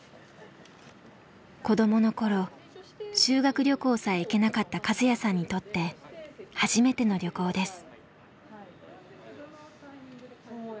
子どもの頃修学旅行さえ行けなかったカズヤさんにとって初めての旅行です。